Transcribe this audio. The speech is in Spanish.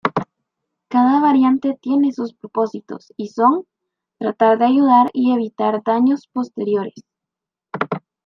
Cada variante tiene sus propósitos y son: tratar de ayudar y evitar daños posteriores.